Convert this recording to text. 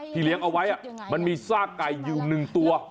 ที่เลี้ยงเอาไว้มันมีซากไก่อยู่หนึ่งตัว